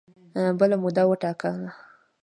بله موده وټاکله